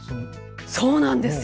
そうなんですよ。